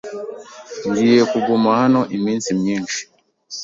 Ngiye kuguma hano iminsi myinshi.